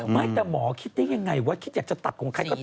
ไม่แต่หมอคิดได้ยังไงว่าคิดอยากจะตัดของใครก็ตาม